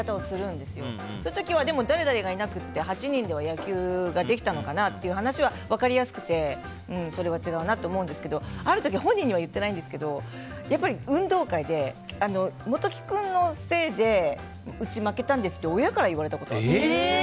でも、そういう時は誰々がいなくて８人では野球ができたのかなという話は分かりやすくてそれは違うなって思うんですけどある時、本人には言ってないけど運動会で、元木君のせいでうちは負けたんですって親から言われたことがあって。